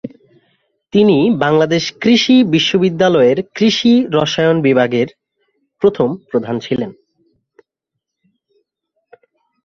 তিনি বাংলাদেশ কৃষি বিশ্ববিদ্যালয়ের কৃষি রসায়ন বিভাগের প্রথম প্রধান ছিলেন।